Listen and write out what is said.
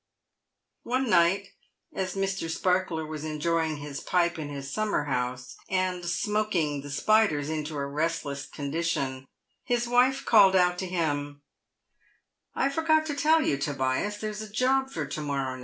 One night, as Mr. Sparkler was enjoying his pipe in his summer house, and smoking the spiders into a restless condition, his wife called out to him, " I forgot to tell you, Tobias, there's a job for to morrow night.